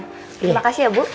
terima kasih ya bu